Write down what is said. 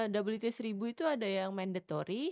karena wta seribu itu ada yang mandatory